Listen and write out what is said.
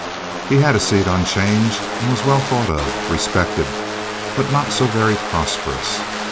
He had a seat on 'change, and was well thought of; respected, but not so very prosperous.